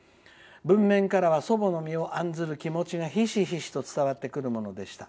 文面からは祖母の身を案じる気持ちが、ひしひしと伝わってくるものでした。